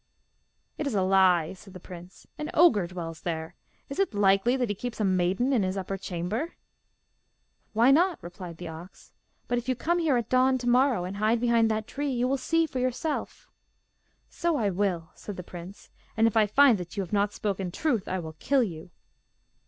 'It is a lie,' said the prince. 'An ogre dwells there. Is it likely that he keeps a maiden in his upper chamber?' 'Why not?' replied the ox. 'But if you come here at dawn to morrow, and hide behind that tree, you will see for yourself.' 'So I will,' said the prince; 'and if I find that you have not spoken truth, I will kill you.